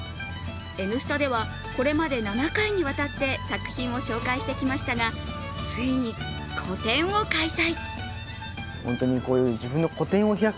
「Ｎスタ」ではこれまで７回にわたって作品を紹介してきましたがついに個展を開催。